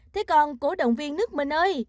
thế còn cổ động viên nước mình ơi